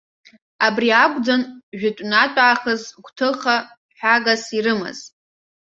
Убри акәӡан жәытәнатә аахыс гәҭыха ҳәагас ирымаз.